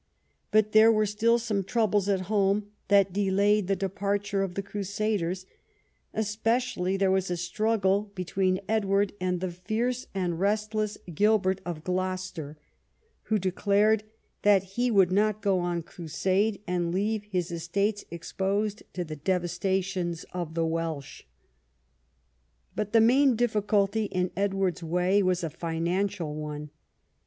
But there were still some troubles at home that delayed the departure of the crusaders ; especially there was a struggle between Edward and the fierce and restless Gilbert of Gloucester, who declared that he would not go on Crusade and leave his estates exposed to the devastations of the "Welsh. But the main difficulty in Edward's way was a financial one.